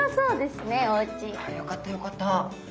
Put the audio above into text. ああよかったよかった。